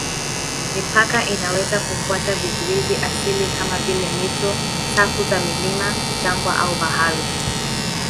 Mipaka inaweza kufuata vizuizi asilia kama vile mito, safu za milima, jangwa au bahari.